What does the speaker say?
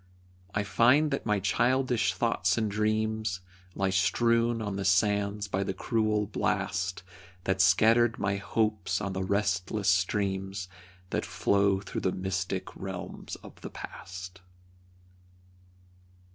I find that my childish thoughts and dreams Lie strewn on the sands by the cruel blast That scattered my hopes on the restless streams That flow through the mystic realms of the past.